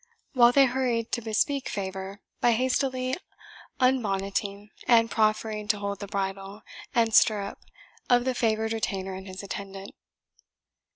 while they hurried to bespeak favour by hastily unbonneting, and proffering to hold the bridle and stirrup of the favoured retainer and his attendant.